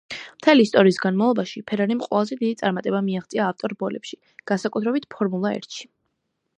მთელი ისტორიის განმავლობაში, ფერარიმ ყველაზე დიდი წარმატება მიაღწია ავტო რბოლებში, განსაკუთრებით ფორმულა ერთში.